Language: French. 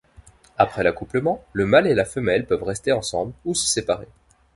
Après l'accouplement, le mâle et la femelle peuvent rester ensemble ou se séparer.